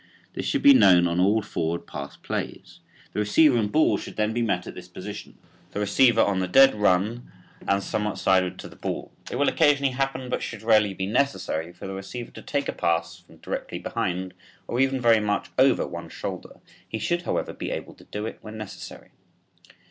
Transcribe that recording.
This should be known on all forward pass plays. The receiver and ball should then meet at this point, the receiver on the dead run and somewhat sideward to the ball. It will occasionally happen, but should rarely be necessary, for the receiver to take a pass from directly behind or even very much over one shoulder. He should, however, be able to do it when necessary.